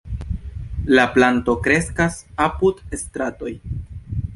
La planto kreskas apud stratoj.